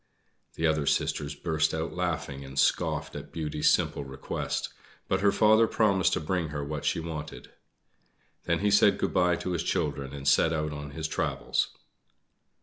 The other sisters burst out laughing and scoffed at Beauty's simple request; but her father promised to bring her what she wanted. Then he said good bye to his children and set out on his travels.